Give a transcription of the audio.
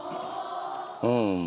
うん。